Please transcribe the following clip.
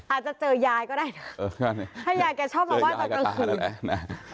อาจจะเจอยายก็ได้นะถ้ายายแกชอบมาไห้ตอนกลางคืน